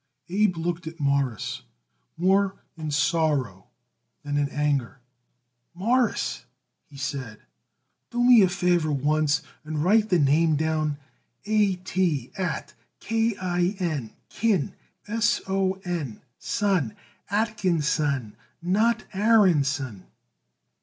Abe looked at Morris more in sorrow than in anger. "Mawruss," he said, "do me the favor once and write that name down. A T at, K I N kin, S O N son, Atkinson not Aaronson."